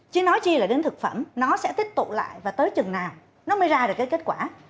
chứ nói chi là đến thực phẩm nó sẽ tích tụ lại và tới chừng nào nó mới ra được cái kết quả